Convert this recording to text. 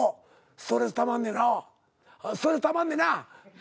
ストレスたまんねな？